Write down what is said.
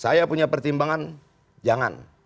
saya punya pertimbangan jangan